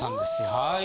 はい。